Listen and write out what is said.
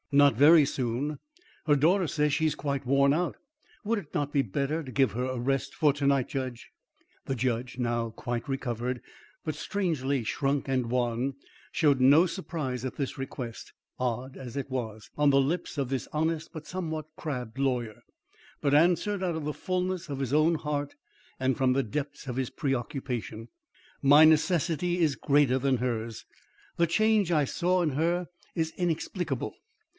"Not very soon. Her daughter says she is quite worn out. Would it not be better to give her a rest for to night, judge?" The judge, now quite recovered, but strangely shrunk and wan, showed no surprise, at this request, odd as it was, on the lips of this honest but somewhat crabbed lawyer, but answered out of the fulness of his own heart and from the depths of his preoccupation: "My necessity is greater than hers. The change I saw in her is inexplicable.